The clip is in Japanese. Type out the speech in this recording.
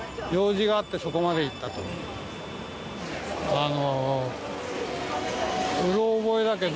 あの。